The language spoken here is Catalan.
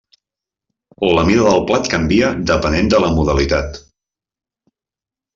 La mida del plat canvia depenent de la modalitat.